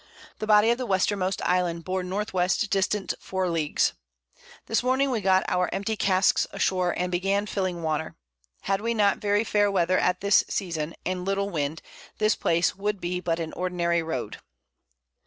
The Body of the Westermost Island bore N. W. distant 4 Leagues. This Morning we got our empty Casks ashore, and began filling Water. Had we not very fair Weather at this Season, and little Wind, this Place would be but an ordinary Road.